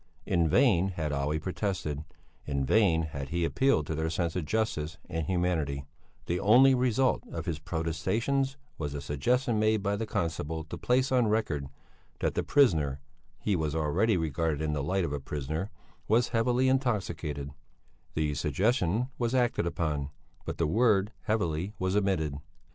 In vain had Olle protested, in vain had he appealed to their sense of justice and humanity; the only result of his protestations was a suggestion made by the constable to place on record that the prisoner he was already regarded in the light of a prisoner was heavily intoxicated; the suggestion was acted upon, but the word heavily was omitted.